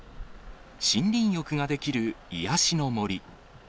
森林浴ができる癒やしの森。